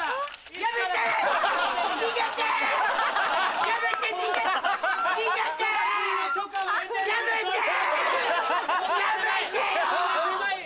やめてよ！